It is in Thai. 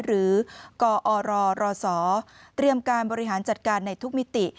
หรือกอรรศเตรียมการบริหารจัดการในทุกมิติ